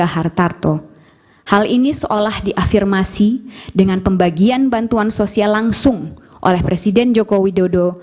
hal ini seolah diafirmasi dengan pembagian bantuan sosial langsung oleh presiden joko widodo